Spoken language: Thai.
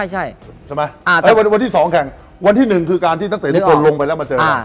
ใช่ไหมแต่วันที่๒แข่งวันที่๑คือการที่นักเตะทุกคนลงไปแล้วมาเจอ